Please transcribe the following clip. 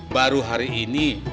baru hari ini